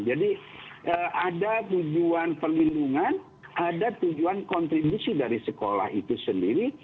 jadi ada tujuan perlindungan ada tujuan kontribusi dari sekolah itu sendiri